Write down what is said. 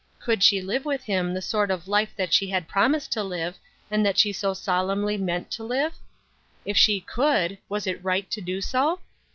Could she live with him the sort of life that she had promised to live, and that she solemnly meant to live? If she could, was it right to do so?